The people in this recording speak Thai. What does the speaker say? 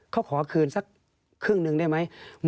เขาขอคืนสักครึ่งหนึ่งได้ไหม